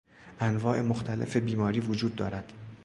انواع مختلف بیماری وجود دارد.